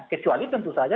kecuali tentu saja